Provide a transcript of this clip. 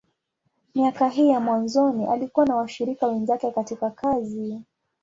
Miaka hii ya mwanzoni, alikuwa na washirika wenzake katika kazi.